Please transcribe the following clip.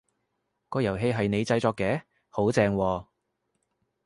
個遊戲係你製作嘅？好正喎！